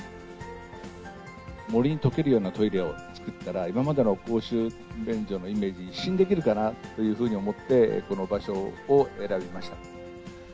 森に溶けるようなトイレを作ったら、今までの公衆便所のイメージ一新できるかなというふうに思って、この場所を選びました。